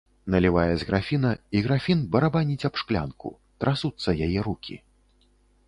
Налівае з графіна, і графін барабаніць аб шклянку, трасуцца яе рукі.